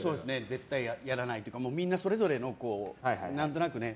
絶対やらないというかみんなそれぞれのね。